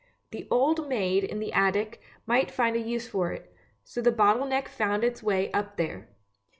The old maid in the attic might find a use for it, so the bottle neck found its way up there.